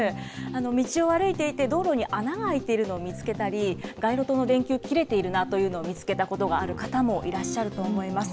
道を歩いていて、道路に穴が開いてるのを見つけたり、街路灯の電球切れているなというのを見つけたことがある方もいらっしゃると思います。